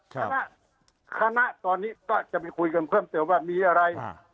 คณะคณะตอนนี้ก็จะไปคุยกันเพิ่มเติมว่ามีอะไร